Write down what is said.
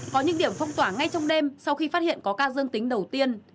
có những điểm phong tỏa ngay trong đêm sau khi phát hiện có ca dương tính đầu tiên